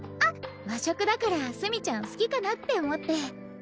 和食だから墨ちゃん好きかなって思って。